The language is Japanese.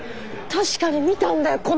確かに見たんだよこの目で！